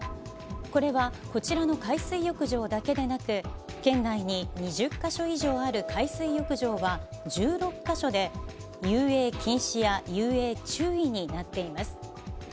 これは、こちらの海水浴場だけでなく、県内に２０か所以上ある海水浴場は、１６か所で遊泳禁止や遊泳注意になっています。